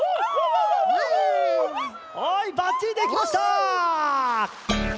はいバッチリできました！